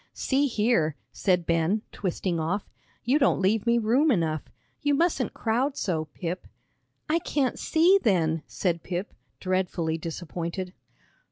"See here," said Ben, twisting off, "you don't leave me room enough. You mustn't crowd so, Pip." "I can't see, then," said Pip, dreadfully disappointed.